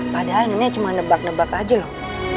padahal ini cuma nebak nebak aja loh